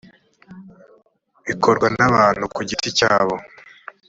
bikorwa n’abantu ku giti cyabo